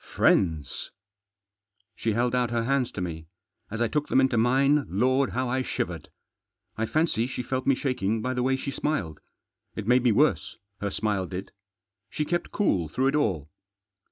" Friends!" She held out her hands to me. As I took them into mine, Lord! how I shivered. I fancy she felt me shaking by the way she smiled. It made me worse, her smile did. She kept cool through it all.